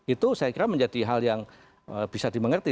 itu saya kira menjadi hal yang bisa dimengerti